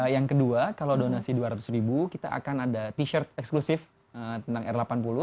yang kedua kalau donasi dua ratus ribu kita akan ada t shirt eksklusif tentang r delapan puluh